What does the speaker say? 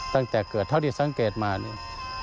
ตั้งแต่เกิดเท่าที่สังเกตมาเนี่ย